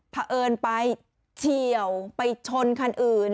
เผอิญไปเฉี่ยวไปชนคนอื่น